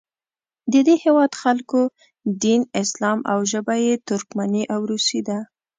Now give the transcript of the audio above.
د دې هیواد خلکو دین اسلام او ژبه یې ترکمني او روسي ده.